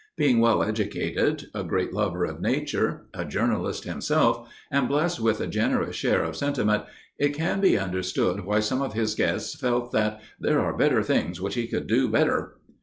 Being well educated, a great lover of nature, a journalist himself, and blessed with a generous share of sentiment, it can be understood why some of his guests felt that "there are better things which he could do better."